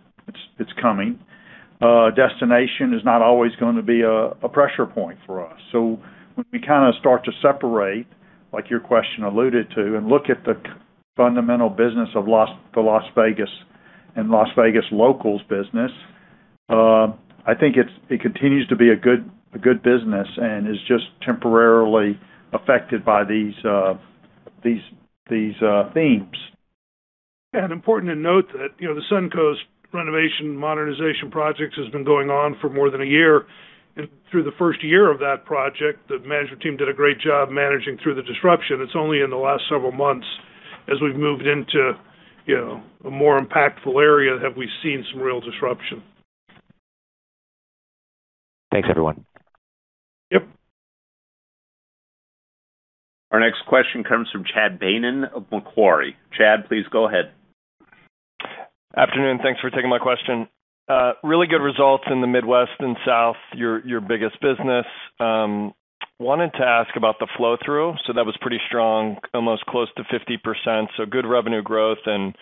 It's coming. Destination is not always going to be a pressure point for us. When we kind of start to separate, like your question alluded to, and look at the fundamental business of the Las Vegas and Las Vegas locals business, I think it continues to be a good business and is just temporarily affected by these themes. Important to note that, the Suncoast renovation and modernization projects has been going on for more than a year. Through the first year of that project, the management team did a great job managing through the disruption. It's only in the last several months as we've moved into a more impactful area, have we seen some real disruption. Thanks, everyone. Yep. Our next question comes from Chad Beynon of Macquarie. Chad, please go ahead. afternoon, thanks for taking my question. Really good results in the Midwest and South, your biggest business. Wanted to ask about the flow-through. That was pretty strong, almost close to 50%. Good revenue growth and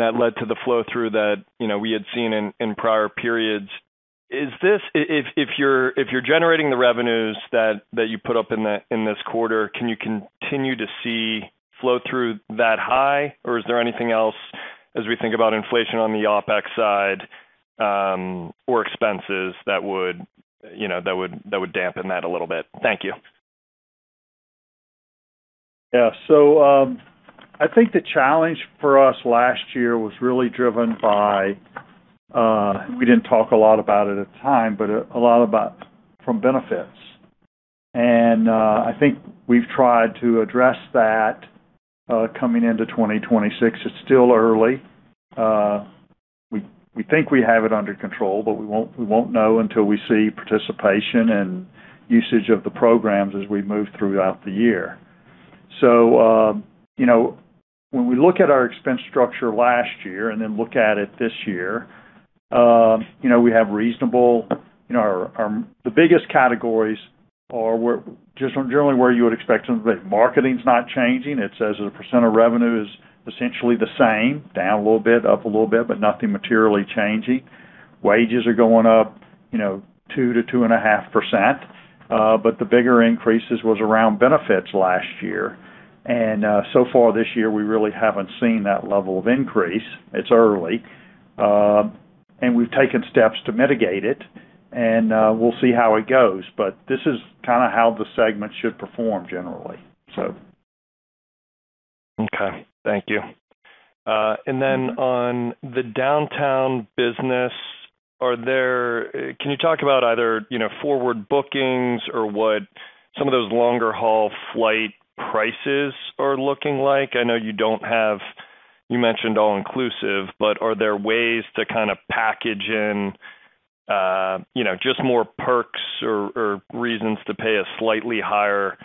that led to the flow-through that we had seen in prior periods. If you're generating the revenues that you put up in this quarter, can you continue to see flow-through that high or is there anything else as we think about inflation on the OpEx side, or expenses that would dampen that a little bit? Thank you. Yeah. I think the challenge for us last year was really driven by, we didn't talk a lot about it at the time, but a lot of it from benefits. I think we've tried to address that, coming into 2026. It's still early. We think we have it under control, but we won't know until we see participation and usage of the programs as we move throughout the year. When we look at our expense structure last year and then look at it this year, the biggest categories are just generally where you would expect them. The marketing's not changing. It stays the percent of revenue is essentially the same, down a little bit, up a little bit, but nothing materially changing. Wages are going up, 2%-2.5%, but the bigger increases was around benefits last year. So far this year, we really haven't seen that level of increase. It's early. We've taken steps to mitigate it and we'll see how it goes. This is kind of how the segment should perform generally, so. Okay, thank you. On the downtown business, can you talk about either forward bookings or what some of those longer haul flight prices are looking like? I know you mentioned all inclusive, but are there ways to kind of package in just more perks or reasons to pay a slightly higher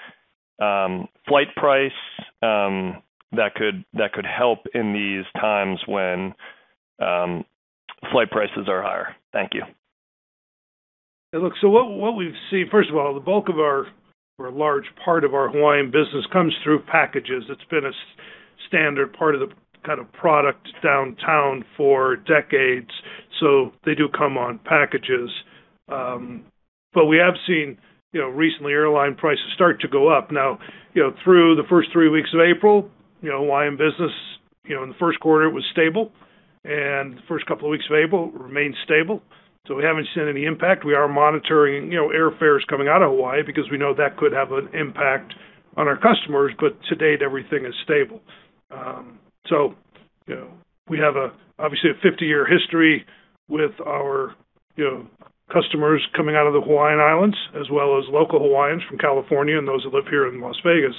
flight price, that could help in these times when flight prices are higher? Thank you. Look, so what we've seen, first of all, the bulk of our, or a large part of our Hawaiian business comes through packages. It's been a standard part of the kind of product downtown for decades, so they do come on packages. We have seen recently airline prices start to go up. Now, through the first three weeks of April, Hawaiian business, in the first quarter, it was stable, and the first couple of weeks of April remained stable. We haven't seen any impact. We are monitoring airfares coming out of Hawaii because we know that could have an impact on our customers, but to date, everything is stable. We have obviously a 50-year history with our customers coming out of the Hawaiian Islands as well as local Hawaiians from California and those that live here in Las Vegas.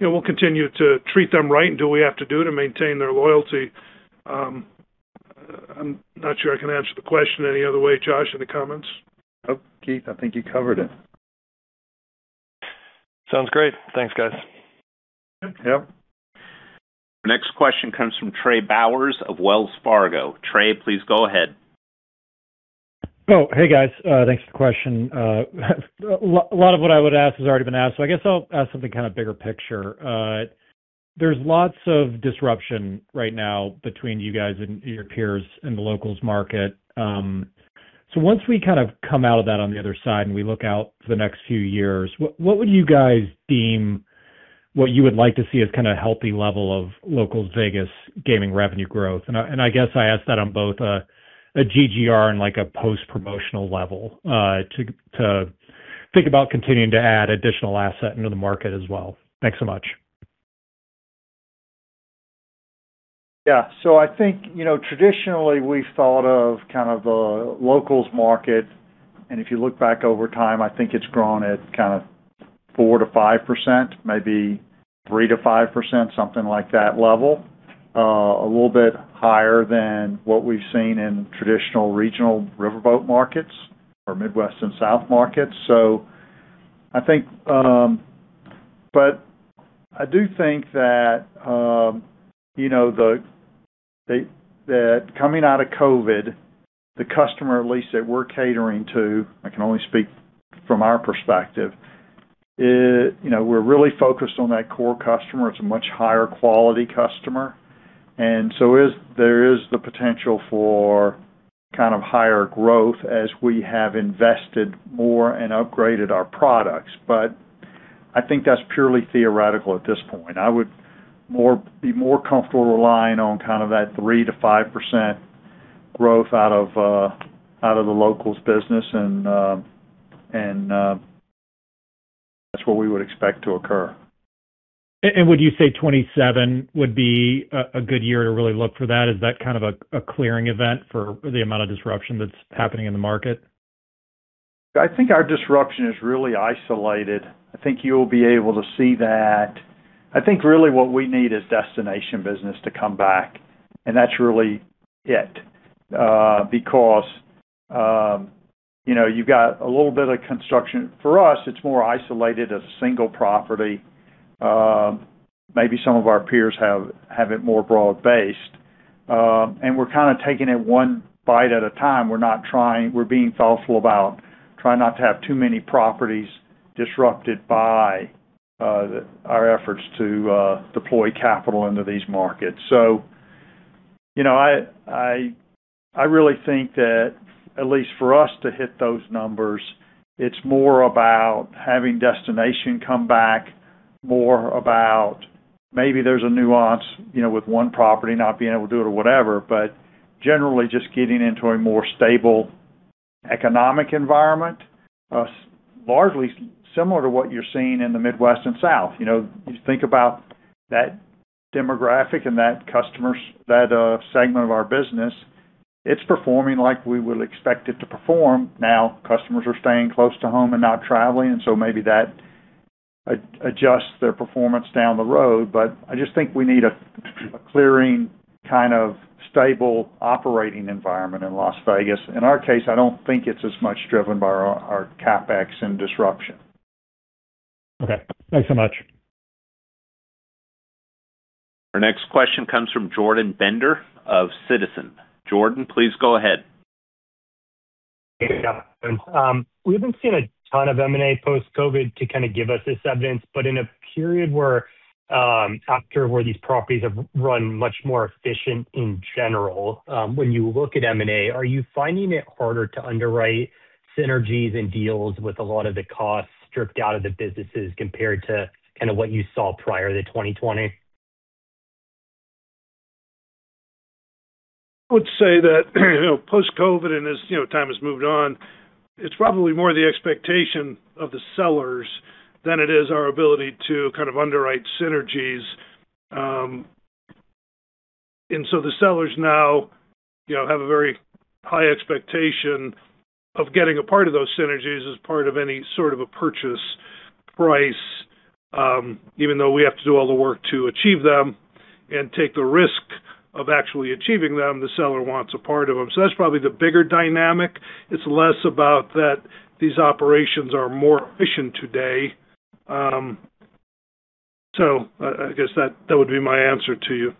We'll continue to treat them right and do what we have to do to maintain their loyalty. I'm not sure I can answer the question any other way. Josh, any comments? Nope. Keith, I think you covered it. Sounds great. Thanks, guys. Yep. Our next question comes from Trey Bowers of Wells Fargo. Trey, please go ahead. Oh, hey, guys. Thanks for the question. A lot of what I would ask has already been asked, so I guess I'll ask something kind of bigger picture. There's lots of disruption right now between you guys and your peers in the locals market. Once we kind of come out of that on the other side, and we look out for the next few years, what would you guys deem what you would like to see as a healthy level of locals Vegas gaming revenue growth? I guess I ask that on both a GGR and like a post-promotional level to think about continuing to add additional asset into the market as well. Thanks so much. Yeah. I think traditionally, we thought of the locals market, and if you look back over time, I think it's grown at 4%-5%, maybe 3%-5%, something like that level. A little bit higher than what we've seen in traditional regional riverboat markets or Midwest and South markets. I do think that coming out of COVID, the customer, at least that we're catering to, I can only speak from our perspective, we're really focused on that core customer. It's a much higher quality customer. There is the potential for kind of higher growth as we have invested more and upgraded our products. I think that's purely theoretical at this point. I would be more comfortable relying on kind of that 3%-5% growth out of the locals business, and that's what we would expect to occur. Would you say 2027 would be a good year to really look for that? Is that kind of a clearing event for the amount of disruption that's happening in the market? I think our disruption is really isolated. I think you'll be able to see that. I think really what we need is destination business to come back, and that's really it, because you've got a little bit of construction. For us, it's more isolated as a single property. Maybe some of our peers have it more broad-based. We're kind of taking it one bite at a time. We're being thoughtful about trying not to have too many properties disrupted by our efforts to deploy capital into these markets. I really think that, at least for us to hit those numbers, it's more about having destination come back, more about maybe there's a nuance, with one property not being able to do it or whatever, but generally just getting into a more stable economic environment, largely similar to what you're seeing in the Midwest and South. You think about that demographic and that segment of our business, it's performing like we would expect it to perform. Now, customers are staying close to home and not traveling, and so maybe that adjusts their performance down the road. I just think we need a clearing, kind of stable operating environment in Las Vegas. In our case, I don't think it's as much driven by our CapEx and disruption. Okay, thanks so much. Our next question comes from Jordan Bender of Citizens JMP Securities. Jordan, please go ahead. Hey, guys. We haven't seen a ton of M&A post-COVID to kind of give us this evidence, but in a period where, after where these properties have run much more efficient in general, when you look at M&A, are you finding it harder to underwrite synergies and deals with a lot of the costs stripped out of the businesses compared to what you saw prior to 2020? I would say that post-COVID and as time has moved on, it's probably more the expectation of the sellers than it is our ability to kind of underwrite synergies. The sellers now have a very high expectation of getting a part of those synergies as part of any sort of a purchase price. Even though we have to do all the work to achieve them and take the risk of actually achieving them, the seller wants a part of them. That's probably the bigger dynamic. It's less about that these operations are more efficient today. I guess that would be my answer to you.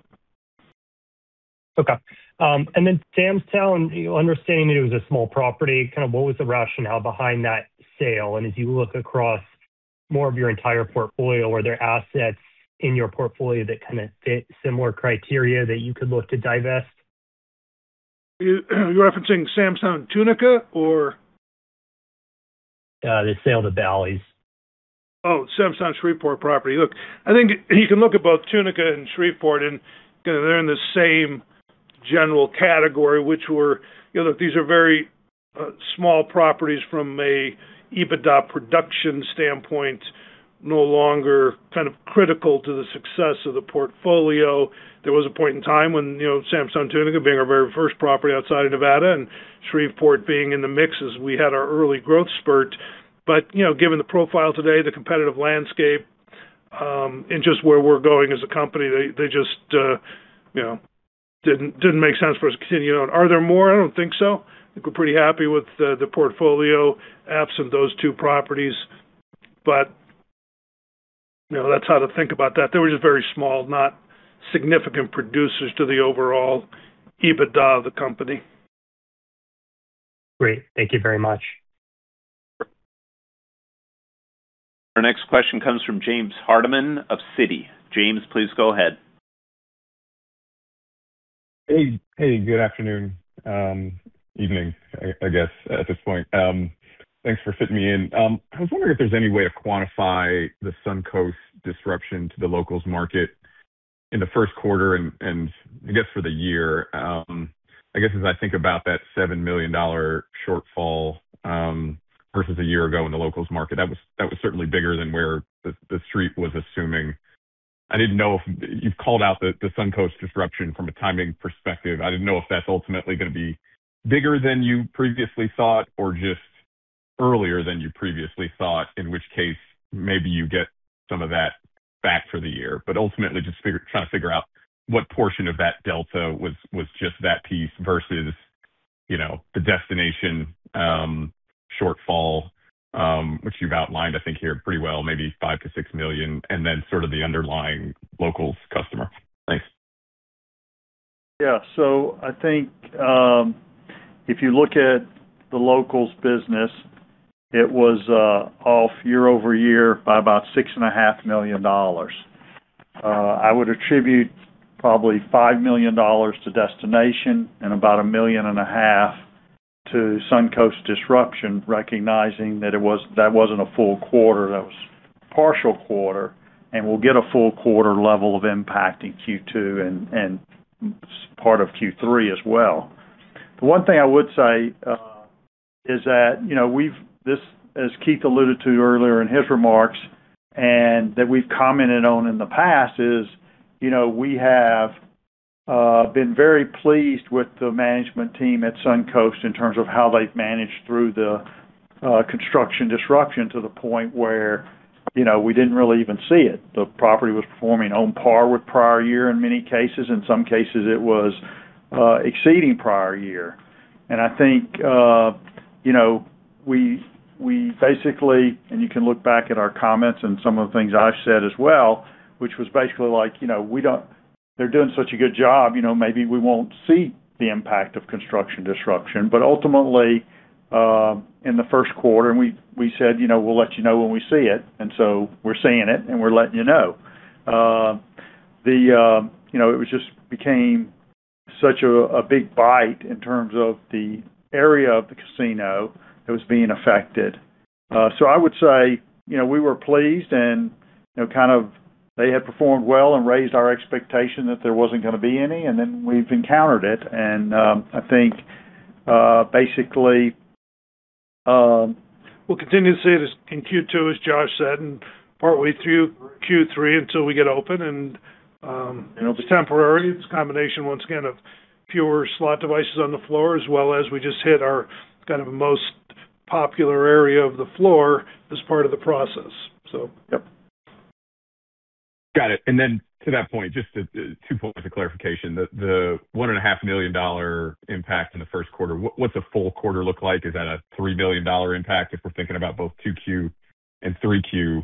Okay. Sam's Town, understanding that it was a small property, what was the rationale behind that sale? As you look across more of your entire portfolio, are there assets in your portfolio that kind of fit similar criteria that you could look to divest? You're referencing Sam's Town Tunica, or? The sale to Bally's. Oh, Sam's Town Shreveport property. Look, I think you can look at both Tunica and Shreveport and they're in the same general category, look, these are very small properties from an EBITDA production standpoint, no longer kind of critical to the success of the portfolio. There was a point in time when Sam's Town Tunica being our very first property outside of Nevada, and Shreveport being in the mix as we had our early growth spurt. Given the profile today, the competitive landscape, and just where we're going as a company, they just didn't make sense for us to continue to own. Are there more? I don't think so. I think we're pretty happy with the portfolio absent those two properties. That's how to think about that. They were just very small, not significant producers to the overall EBITDA of the company. Great. Thank you very much. Our next question comes from James Hardiman of Citi. James, please go ahead. Hey, good afternoon. Evening, I guess, at this point. Thanks for fitting me in. I was wondering if there's any way to quantify the Suncoast disruption to the locals market in the first quarter and I guess for the year. I guess, as I think about that $7 million shortfall, versus a year ago in the locals market, that was certainly bigger than where the street was assuming. You've called out the Suncoast disruption from a timing perspective. I didn't know if that's ultimately going to be bigger than you previously thought or just earlier than you previously thought, in which case maybe you get some of that back for the year. Ultimately just trying to figure out what portion of that delta was just that piece versus the destination shortfall which you've outlined, I think, here pretty well, maybe $5 million-$6 million, and then sort of the underlying locals customer. Thanks. Yeah. I think, if you look at the locals business, it was off year-over-year by about $6.5 million. I would attribute probably $5 million to destination and about $1.5 million to Suncoast disruption, recognizing that wasn't a full quarter, that was a partial quarter, and we'll get a full quarter level of impact in Q2 and part of Q3 as well. The one thing I would say is that as Keith alluded to earlier in his remarks, and that we've commented on in the past, is we have been very pleased with the management team at Suncoast in terms of how they've managed through the construction disruption to the point where we didn't really even see it. The property was performing on par with prior year in many cases. In some cases, it was exceeding prior year. I think we basically, and you can look back at our comments and some of the things I've said as well, which was basically like, they're doing such a good job, maybe we won't see the impact of construction disruption. Ultimately, in the first quarter, and we said we'll let you know when we see it, and so we're seeing it, and we're letting you know. It just became such a big bite in terms of the area of the casino that was being affected. I would say we were pleased, and they had performed well and raised our expectation that there wasn't going to be any, and then we've encountered it. I think, basically, We'll continue to see this in Q2, as Josh said, and partway through Q3 until we get open and it's temporary. It's a combination, once again, of fewer slot devices on the floor, as well as we just hit our most popular area of the floor as part of the process. Yep. Got it. Then to that point, just two points of clarification. The $1.5 million impact in the first quarter, what's a full quarter look like? Is that a $3 million impact if we're thinking about both 2Q and 3Q?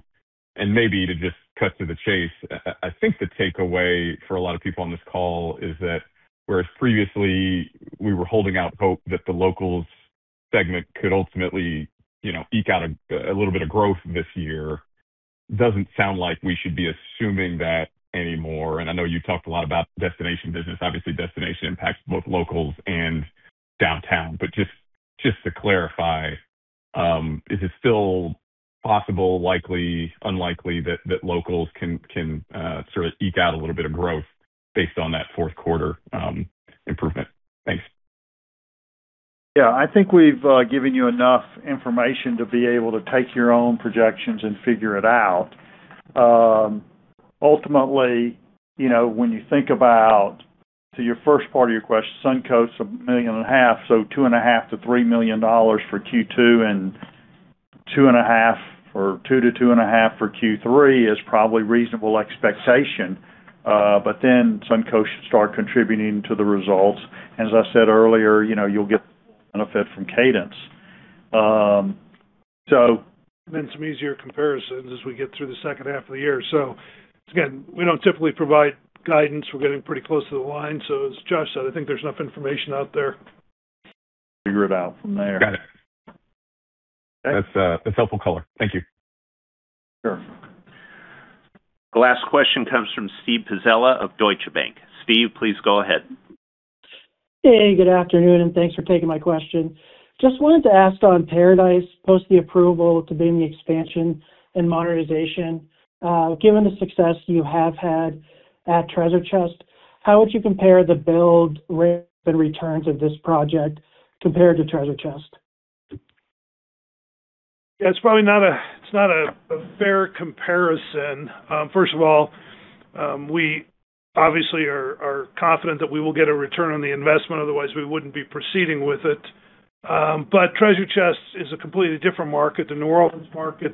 Maybe to just cut to the chase, I think the takeaway for a lot of people on this call is that whereas previously we were holding out hope that the locals segment could ultimately eke out a little bit of growth this year, doesn't sound like we should be assuming that anymore. I know you talked a lot about destination business, obviously destination impacts both locals and downtown, but just to clarify, is it still possible, likely, unlikely, that locals can sort of eke out a little bit of growth based on that fourth quarter improvement? Thanks. Yeah. I think we've given you enough information to be able to take your own projections and figure it out. Ultimately, when you think about to your first part of your question, Suncoast's $1.5 million, so $2.5 million-$3 million for Q2 and $2 million-$2.5 million for Q3 is probably reasonable expectation. Suncoast should start contributing to the results. As I said earlier, you'll get the benefit from Cadence. Some easier comparisons as we get through the second half of the year. We don't typically provide guidance. We're getting pretty close to the line. As Josh said, I think there's enough information out there to figure it out from there. Got it. Okay. That's helpful color. Thank you. Sure. The last question comes from Steven Pizzella of Deutsche Bank. Steve, please go ahead. Hey, good afternoon, and thanks for taking my question. Just wanted to ask on Paradise, post the approval to begin the expansion and modernization, given the success you have had at Treasure Chest, how would you compare the build rate and returns of this project compared to Treasure Chest? Yeah, it's not a fair comparison. First of all, we obviously are confident that we will get a return on the investment, otherwise we wouldn't be proceeding with it. Treasure Chest is a completely different market, the New Orleans market,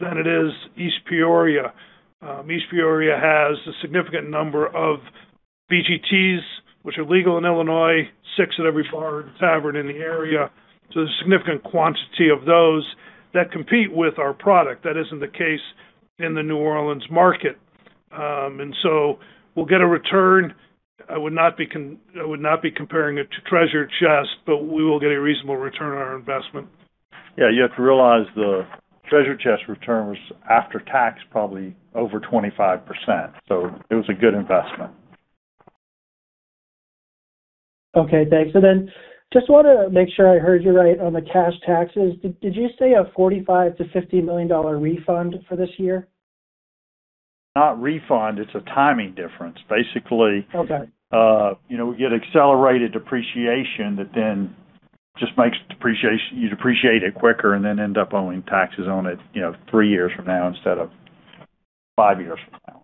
than it is East Peoria. East Peoria has a significant number of VGTs, which are legal in Illinois, six VGTs at every bar and tavern in the area. There's a significant quantity of those that compete with our product. That isn't the case in the New Orleans market. We'll get a return. I would not be comparing it to Treasure Chest, but we will get a reasonable return on our investment. Yeah, you have to realize the Treasure Chest return was after tax, probably over 25%, so it was a good investment. Okay, thanks. Just want to make sure I heard you right on the cash taxes. Did you say a $45 million-$50 million refund for this year? Not refund, it's a timing difference. Okay We get accelerated depreciation that then just makes you depreciate it quicker and then end up owing taxes on it three years from now instead of five years from now.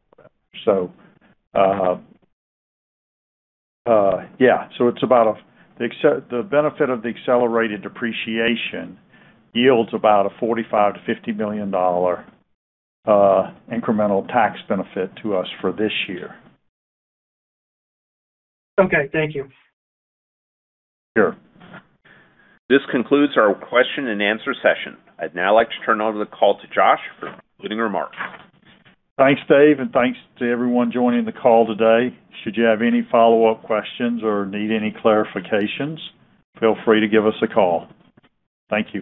Yeah. The benefit of the accelerated depreciation yields about a $45 million-$50 million incremental tax benefit to us for this year. Okay, thank you. Sure. This concludes our question and answer session. I'd now like to turn over the call to Josh for concluding remarks. Thanks, Dave, and thanks to everyone joining the call today. Should you have any follow-up questions or need any clarifications, feel free to give us a call. Thank you.